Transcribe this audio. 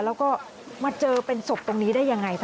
แล้วก็มาเจอเป็นศพตรงนี้ได้ยังไง